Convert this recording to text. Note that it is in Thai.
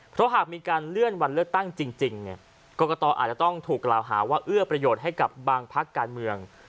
เพราะหากมีการเลื่อนวันเลือกตั้งจริงเนี่ยกรกตอาจจะต้องถูกกล่าวหาว่าเอื้อประโยชน์ให้กับบางพักการเมือง